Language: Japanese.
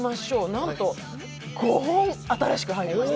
なんと５本、新しく入りました。